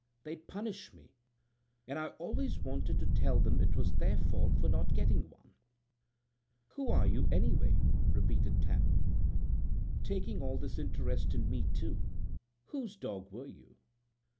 They'd punish me, and I always wanted to tell them it was their fault for not getting one." "Who are you, anyway?" repeated Tam. "Talking all this interest in me, too. Whose dog were you?"